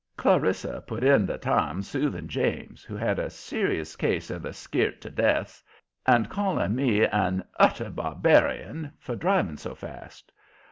Clarissa put in the time soothing James, who had a serious case of the scart to deaths, and calling me an "utter barbarian" for driving so fast.